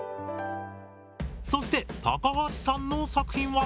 そして高橋さんの作品は？